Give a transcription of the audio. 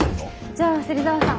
じゃあ芹澤さん